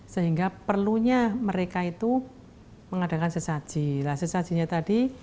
sehingga perlunya mereka itu mengadakan sesajilah sesajinya tadi